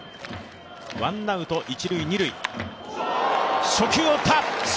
ワンアウト一・二塁。